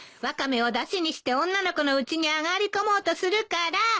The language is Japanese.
ワカメをだしにして女の子のうちに上がり込もうとするから。